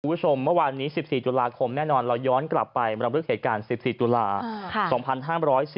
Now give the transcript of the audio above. คุณผู้ชมเมื่อวานนี้๑๔ตุลาคมแน่นอนเราย้อนกลับไปมรำลึกเหตุการณ์๑๔ตุลา